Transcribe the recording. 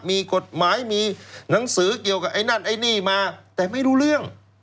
มีกฎหมายมีหนังสือเกี่ยวกับไอ้นั่นไอ้นี่มาแต่ไม่รู้เรื่อง